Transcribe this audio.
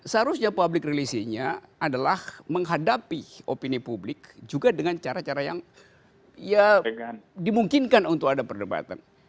seharusnya public relationnya adalah menghadapi opini publik juga dengan cara cara yang ya dimungkinkan untuk ada perdebatan